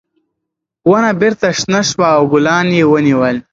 ونه بېرته شنه شوه او ګلان یې ونیول.